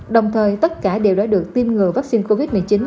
đồng thời tất cả đều đã được tiêm ngừa vaccine covid một mươi chín